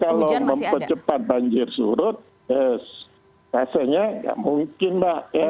kalau mempercepat banjir surut rasanya enggak mungkin mbak